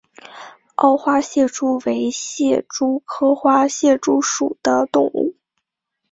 凹花蟹蛛为蟹蛛科花蟹蛛属的动物。